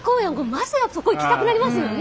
まずはそこ行きたくなりますよね。